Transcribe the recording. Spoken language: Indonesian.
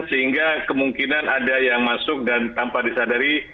sehingga kemungkinan ada yang masuk dan tanpa disadari